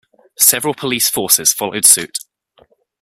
Several police forces followed suit.